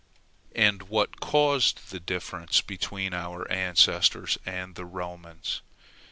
And what caused the difference between our ancestors and the Romans?